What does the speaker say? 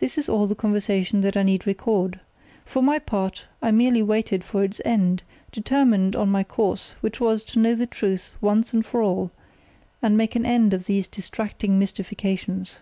This is all the conversation that I need record. For my part I merely waited for its end, determined on my course, which was to know the truth once and for all, and make an end of these distracting mystifications.